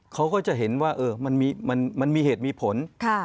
เขาก็จะเห็นว่ามันมีเหตุมีผล